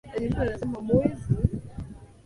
reli ya tazara inapitia katika eneo hilo